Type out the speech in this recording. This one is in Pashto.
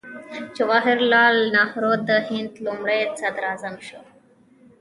جواهر لال نهرو د هند لومړی صدراعظم شو.